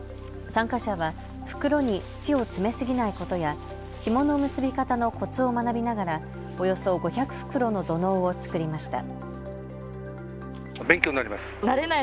参加者は袋に土を詰めすぎないことや、ひもの結び方のこつを学びながら、およそ５００袋の土のうを作りました。